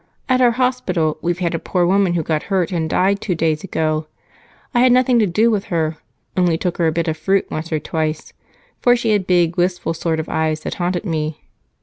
At our hospital we've had a poor woman who got hurt and died two days ago. I had nothing to do with her, only took her a bit of fruit once or twice, for she had big, wistful sort of eyes that haunted me.